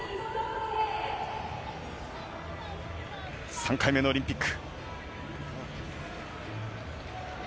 ３回目のオリンピック。